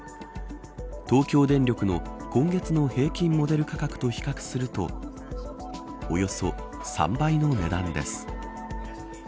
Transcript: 東京電力の今月の平均モデル価格と比較するとおよそ３倍の値段です。